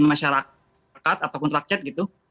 masyarakat ataupun rakyat gitu